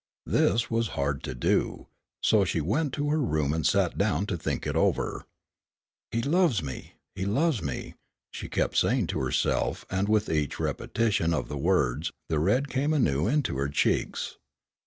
This was hard to do, so she went to her room and sat down to think it over. "He loves me, he loves me," she kept saying to herself and with each repetition of the words, the red came anew into her cheeks.